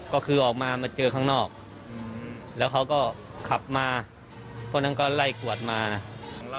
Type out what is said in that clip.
ก็คือออกมามาเจอข้างนอกแล้วเขาก็ขับมาพวกนั้นก็ไล่กวดมา